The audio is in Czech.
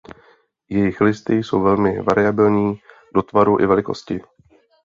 Jejich listy jsou velmi variabilní do tvaru i velikosti.